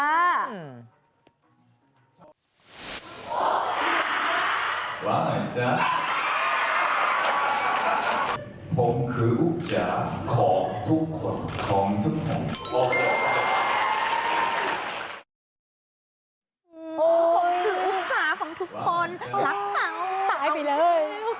อุ๊กจ๋าคืออุ๊กจ๋าของทุกคนรักเราตายไปเลย